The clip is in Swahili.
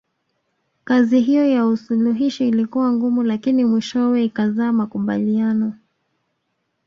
Kazi hiyo ya usuluhishi ilikuwa ngumu lakini mwishowe ikazaa makubaliano